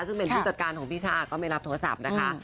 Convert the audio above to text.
ซึ่งเป็นผู้จัดการของพี่ชาก็ไม่รับโทรศัพท์นะคะ